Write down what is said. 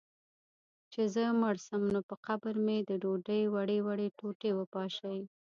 چي زه مړ سم، نو پر قبر مي د ډوډۍ وړې وړې ټوټې وپاشی